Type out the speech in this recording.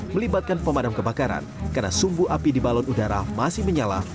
melibatkan pemadam kebakaran karena sumbu api di balon udara masih menyala